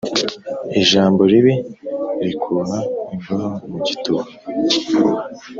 i jambo ribi rikura imboro mu gi tuba